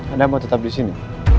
anda mau tetap disini